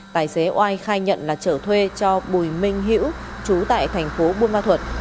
tài xế oai khai nhận là trở thuê cho bùi minh hữu chú tại thành phố buôn ma thuật